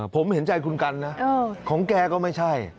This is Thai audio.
ผมเห็นใจคุณกันนะของแกก็ไม่ใช่